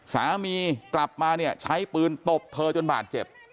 สามีกลับมาเนี่ยใช้ปืนตบเธอจนบาดเจ็บ